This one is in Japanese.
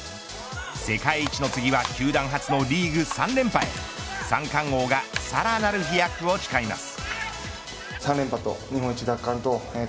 世界一の次は球団初のリーグ３連覇へ三冠王がさらなる飛躍を誓います。